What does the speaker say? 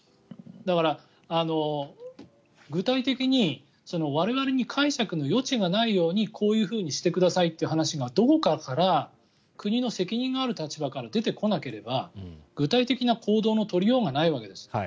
だから、具体的に我々に解釈の余地がないようにこういうふうにしてくださいという話がどこかから国の責任がある立場から出てこなければ具体的な行動の取りようがないわけです。